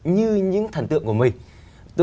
như những thần tượng của mình